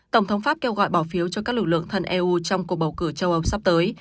tổng thống pháp kêu gọi bỏ phiếu cho các lực lượng thân eu trong cuộc bầu cử châu âu sắp tới